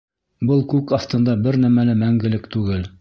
Был күк аҫтында бер нәмә лә мәңгелек түгел.